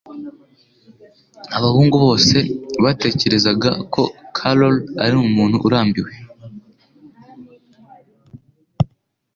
Abahungu bose batekerezaga ko Carol ari umuntu urambiwe.